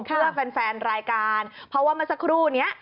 เพื่อแฟนแฟนรายการเพราะว่าเมื่อสักครู่นี้